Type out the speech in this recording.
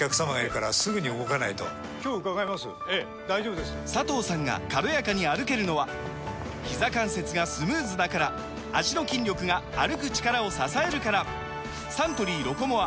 今日伺いますええ大丈夫です佐藤さんが軽やかに歩けるのはひざ関節がスムーズだから脚の筋力が歩く力を支えるからサントリー「ロコモア」！